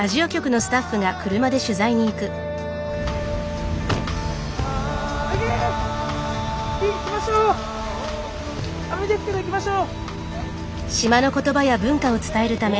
雨ですけど行きましょう。